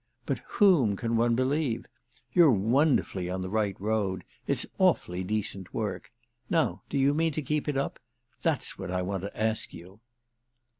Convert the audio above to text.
But whom can one believe? You're wonderfully on the right road—it's awfully decent work. Now do you mean to keep it up?—that's what I want to ask you."